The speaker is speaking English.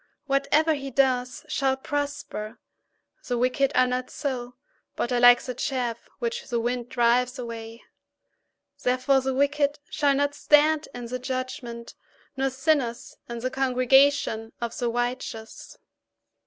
Whatever he does shall prosper. 4The wicked are not so, but are like the chaff which the wind drives away. 5Therefore the wicked shall not stand in the judgment, nor sinners in the congregation of the righteous.